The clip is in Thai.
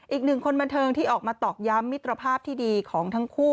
อีกหนึ่งคนบันเทิงที่ออกมาตอกย้ำมิตรภาพที่ดีของทั้งคู่